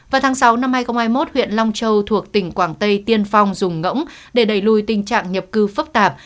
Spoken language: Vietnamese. vào tháng sáu năm hai nghìn hai mươi một huyện long châu thuộc tỉnh quảng tây tiên phong dùng ngỗng để đẩy lùi tình trạng nhập cư phức tạp